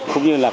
cũng như là